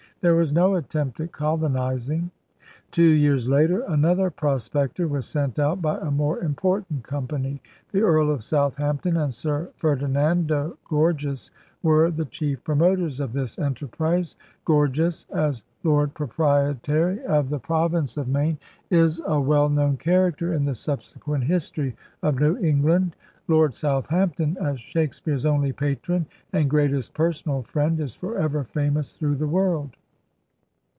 There was no attempt at colonizing. Two years later another prospector was sent out by a more important company. The Earl of Southampton and Sir Ferdinando Gorges were the chief promoters of this enterprise. Gorges, as *Lord Proprietary of the Province of Maine,' is a 218 ELIZABETHAN SEA DOGS well known character in the subsequent history of New England. Lord Southampton, as Shake speare's only patron and greatest personal friend, is forever famous through the world.